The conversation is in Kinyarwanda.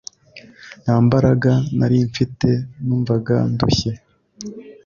ntambaraga nari mfite numvaga ndushye